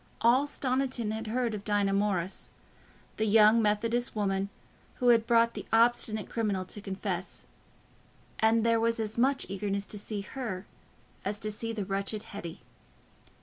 All Stoniton had heard of Dinah Morris, the young Methodist woman who had brought the obstinate criminal to confess, and there was as much eagerness to see her as to see the wretched Hetty.